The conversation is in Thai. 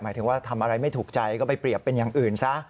ถึงว่าทำอะไรไม่ถูกใจก็ไปเปรียบเป็นอย่างอื่นซะ